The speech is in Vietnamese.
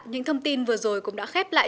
những thông tin vừa rồi cũng đã khép lại